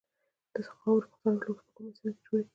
د خاورو مختلف لوښي په کومه سیمه کې جوړیږي.